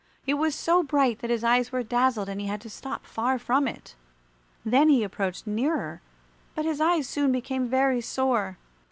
It was so bright that his eyes were dazzled and he had to stop far from it. Then he approached nearer, but his eyes soon became very sore.